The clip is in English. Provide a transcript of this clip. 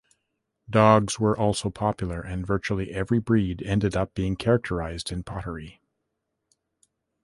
Dogs were also popular and virtually every breed ended-up being characterised in pottery.